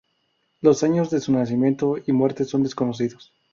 Los años de su nacimiento y muerte son desconocidos.